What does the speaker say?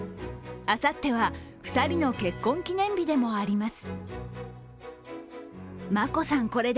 あさっては、２人の結婚記念日でもあります。